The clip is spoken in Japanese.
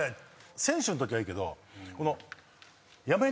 選手のときはいいけど。